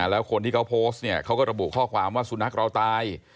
แล้วคนที่เขาโพสต์เนี่ยเขาก็ระบุข้อความว่าสุนัขเราตาย